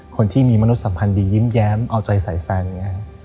คนที่มีมนุษยสัมพันธ์ดียิ้มแย้มเอาใจใส่แฟนอย่างนี้